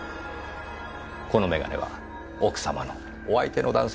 この眼鏡は奥様のお相手の男性の忘れ物でしょう。